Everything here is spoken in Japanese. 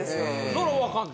それ分かんの？